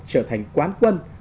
trở thành quán quân